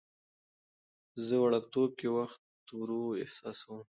زه وړوکتوب کې وخت ورو احساسوم.